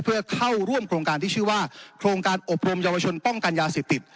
เพื่อเข้าร่วมโครงการที่ชื่อว่าโครงการอบรมเยาวชนป้องกันยาเสพติด